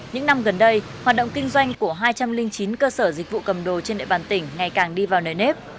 những năm gần đây hoạt động kinh doanh của hai trăm linh chín cơ sở dịch vụ cầm đồ trên địa bàn tỉnh ngày càng đi vào nề nếp